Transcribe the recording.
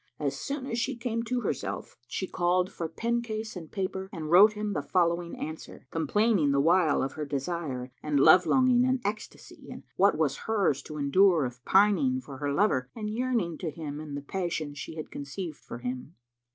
As soon as she came to herself, she called for pencase and paper and wrote him the following answer; complaining the while of her desire and love longing and ecstasy and what was hers to endure of pining for her lover and yearning to him and the passion she had conceived for him.